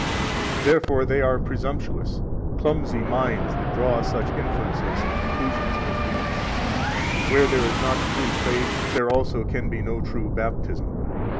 58 Therefore they are presumptuous, clumsy minds that draw such inferences and conclusions as these: Where there is not the true faith, there also can be no true Baptism.